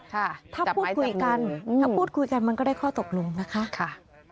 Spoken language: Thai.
ค่ะจับไม้จับลงถ้าพูดคุยกันมันก็ได้ข้อตกลงนะคะค่ะ